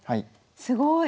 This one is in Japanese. すごい！